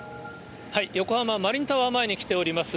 横浜・マリンタワー前に来ております。